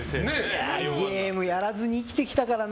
ゲームやらずに生きてきたからな。